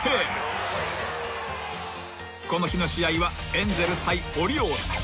［この日の試合はエンゼルス対オリオールズ］